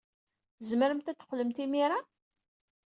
Tzemremt ad d-teqqlemt imir-a?